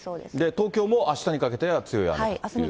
東京もあしたにかけては強い雨ということですね。